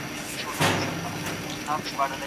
په نړۍ کي رڼا خپره کړئ.